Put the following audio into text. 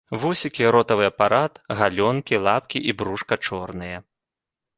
Вусікі, ротавы апарат, галёнкі, лапкі і брушка чорныя.